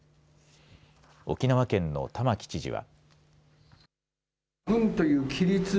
沖縄県の玉城知事は。